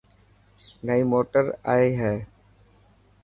نئي موٽر آي هي.